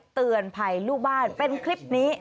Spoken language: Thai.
เตือนภัยลูกบ้านเป็นคลิปนี้